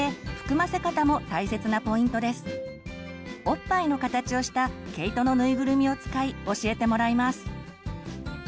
おっぱいの形をした毛糸の縫いぐるみを使い教えてもらいます。